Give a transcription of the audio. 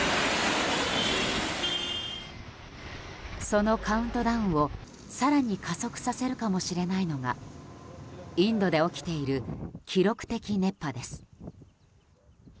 そのカウントダウンを更に加速させるかもしれないのがインドで起きている記録的熱波です。